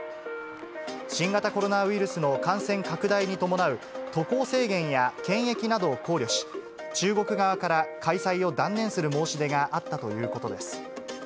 新型コロナウイルスの感染拡大に伴う渡航制限や検疫などを考慮し、中国側から開催を断念する申し出があったということです。